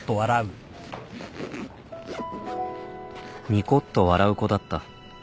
ニコッと笑う子だった